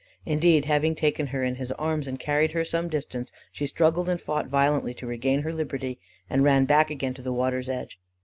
Indeed, having taken her in his arms, and carried her some distance, she struggled and fought violently to regain her liberty, and ran back again to the water's edge.